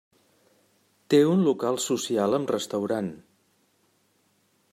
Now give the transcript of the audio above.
Té un local social amb restaurant.